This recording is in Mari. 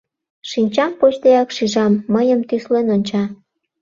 Шинчам почдеак шижам: мыйым тӱслен онча.